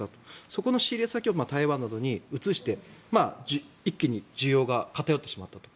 そこの仕入れ先を台湾などに移して一気に需要が偏ってしまったと。